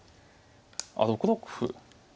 あっ６六歩。